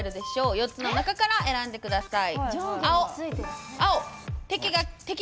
４つの中から選んでください。